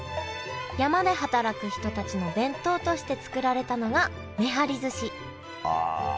山で働く人たちの弁当として作られたのがめはりずしああ。